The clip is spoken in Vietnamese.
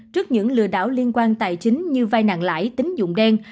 trước những lừa đảo liên quan tài chính như vai nạn lãi tính dụng đen